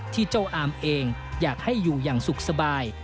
ที่เจ้าอามเองอยากให้อยู่อย่างสุขสบาย